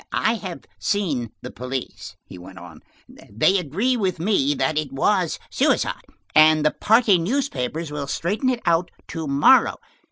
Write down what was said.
"I have seen the police," he went on. "They agree with me that it was suicide, and the party newspapers will straighten it out to morrow.